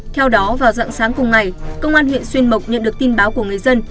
theo đó vào dạng sáng cùng ngày công an huyện xuyên mộc nhận được tin báo của người dân